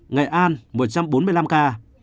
nghệ an một trăm bốn mươi năm ca